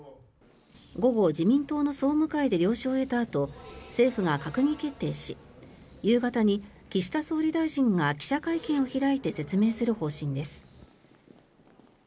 午後、自民党の総務会で了承を得たあと政府が閣議決定し夕方に岸田総理大臣が記者会見を開いて説明する方針です。